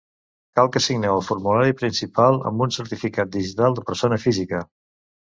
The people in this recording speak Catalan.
Cal que signeu el formulari principal amb un certificat digital de persona física.